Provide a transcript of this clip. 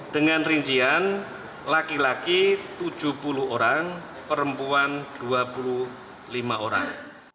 dengan rincian laki laki tujuh puluh orang perempuan dua puluh lima orang